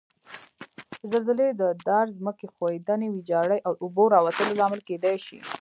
زلزلې د درزو، ځمکې ښویدنې، ویجاړي او اوبو راوتو لامل کېدای شي.